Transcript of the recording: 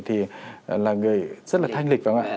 thì là người rất là thanh lịch